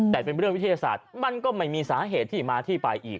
แต่เป็นเรื่องวิทยาศาสตร์มันก็ไม่มีสาเหตุที่มาที่ไปอีก